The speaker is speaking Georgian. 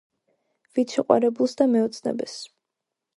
ვით შეყვარებულს და მეოცნებეს